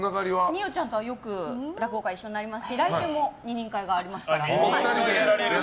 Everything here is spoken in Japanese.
二葉ちゃんとは落語会で一緒になりますし来週も二人会がありますから。